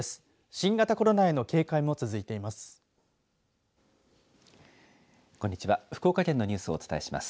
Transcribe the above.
新型コロナへの警戒も続いています。